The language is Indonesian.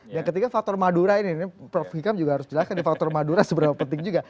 yang ketiga faktor madura ini prof hikam juga harus jelaskan faktor madura seberapa penting juga